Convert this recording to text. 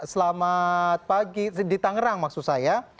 selamat pagi di tangerang maksud saya